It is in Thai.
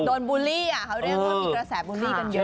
ซึ่งน้องคิดว่ามีกระแศบมูลลีกันเยอะ